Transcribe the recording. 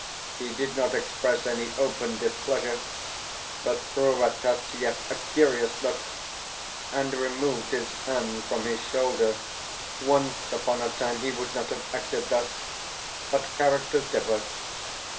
He did not express any open displeasure, but threw Rataziaev a curious look, and removed his hand from his shoulder. ONCE upon a time he would not have acted thus; but characters differ.